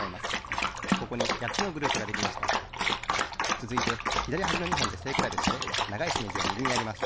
つづいてひだりはじの２ほんでせいくらべしてながいしめじをみぎにやります。